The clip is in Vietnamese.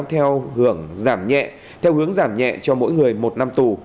theo hướng giảm nhẹ cho mỗi người một năm tù